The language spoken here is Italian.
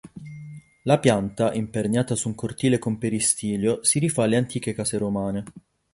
La pianta, imperniata su un cortile con peristilio, si rifà alle antiche case romane.